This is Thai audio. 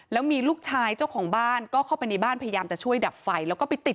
แล้วมีลูกชายเจ้าของบ้านก็เข้าไปในบ้านพยายามจะช่วยดับไฟแล้วก็ไปติด